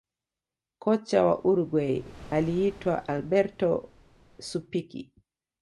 kocha wa uruguay aliitwa alberto suppici